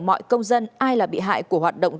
mọi công dân ai là bị hại của hoạt động